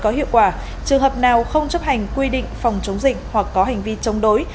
có hiệu quả trường hợp nào không chấp hành quy định phòng chống dịch hoặc có hành vi chống đối